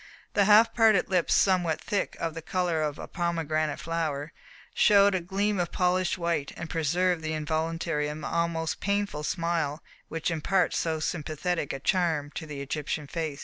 The half parted lips, somewhat thick, of the colour of a pomegranate flower, showed a gleam of polished white and preserved the involuntary and almost painful smile which imparts so sympathetic a charm to the Egyptian face.